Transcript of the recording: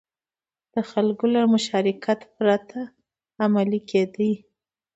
د خلکو له مشارکت پرته عملي کېدې.